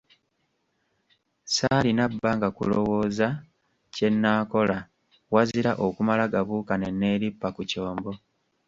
Saalina bbanga kulowooza kye nnaakola, wazira okumala gabuuka ne neerippa ku kyombo.